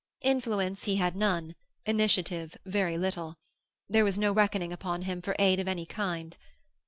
Influence he had none; initiative, very little. There was no reckoning upon him for aid of any kind.